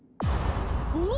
お！？